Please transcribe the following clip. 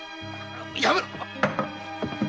やめろ！